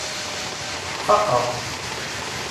Faqeɣ.